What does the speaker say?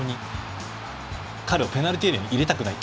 彼をペナルティーエリアに入れたくない。